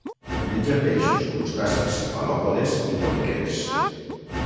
Menja peixos, crustacis, cefalòpodes i poliquets.